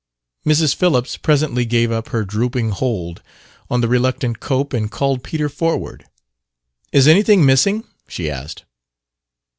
Mrs. Phillips presently gave up her drooping hold on the reluctant Cope and called Peter forward. "Is anything missing?" she asked.